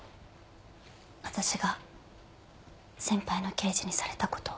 私が先輩の刑事にされたことを。